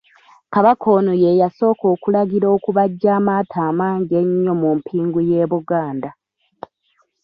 Kabaka ono ye yasooka okulagira okubajja amaato amangi ennyo mu mpingu y'e Buganda.